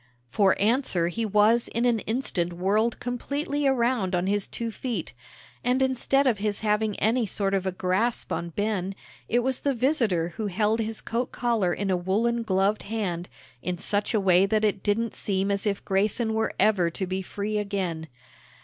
For answer he was in an instant whirled completely around on his two feet, and instead of his having any sort of a grasp on Ben, it was the visitor who held his coat collar in a woollen gloved hand in such a way that it didn't seem as if Grayson were ever to be free again.